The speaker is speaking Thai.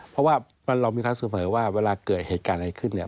เพราะว่าเรามีทักษ์เสมอว่าเวลาเกิดเหตุการณ์อะไรขึ้นเนี่ย